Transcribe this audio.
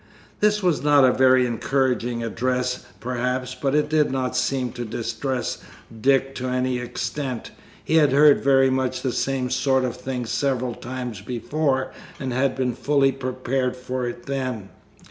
This was not a very encouraging address, perhaps, but it did not seem to distress Dick to any extent; he had heard very much the same sort of thing several times before, and had been fully prepared for it then.